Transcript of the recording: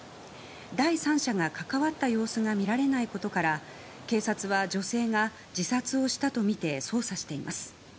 第三者が関わった様子が見られないことから警察は女性が自殺をしたとみて捜査しています。